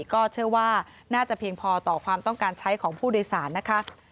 ก็เชื่อว่าน่าจะเพียงพอต่อความต้องการใช้ของผู้โดยสารนะคะ